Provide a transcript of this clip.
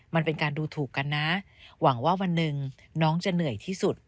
มันเป็นการดูถูกกันนะหวังว่าวันหนึ่งน้องจะเหนื่อยที่สุด